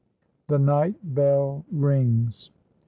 THE NIGHT BELL RINGS.